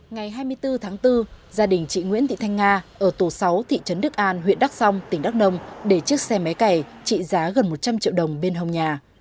ngày hai mươi bốn tháng bốn gia đình chị nguyễn thị thanh nga ở tù sáu thị trấn đức an huyện đắc sông tỉnh đắc nông để chiếc xe máy cày trị giá gần một trăm linh triệu đồng bên hồng nhà